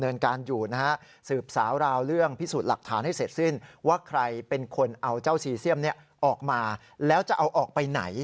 นี่ก็เป็นหน้าที่ของทางตำรวจด้วย